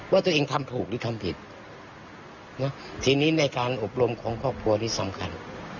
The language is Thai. ว่าตัวเองทำถูกหรือทำผิดนะทีนี้ในการอบรมของครอบครัวนี้สำคัญ